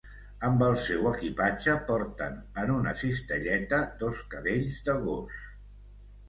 Amb el seu equipatge porten en una cistelleta dos cadells de gos.